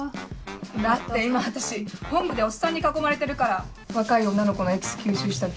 だって今私本部でおっさんに囲まれてるから若い女の子のエキス吸収したくて。